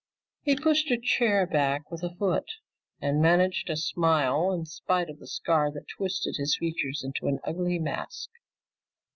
He pushed a chair back with a foot and managed a smile in spite of the scar that twisted his features into an ugly mask.